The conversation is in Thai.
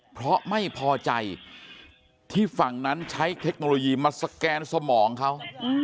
เพราะไม่พอใจที่ฝั่งนั้นใช้เทคโนโลยีมาสแกนสมองเขา